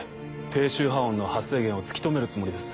低周波音の発生源を突き止めるつもりです。